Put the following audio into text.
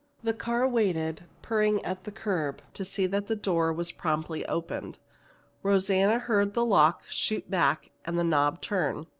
The car waited, purring at the curb, to see that the door was promptly opened. Rosanna heard the lock shoot back and the knob turn.